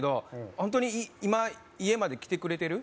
ホントに今家まで来てくれてる？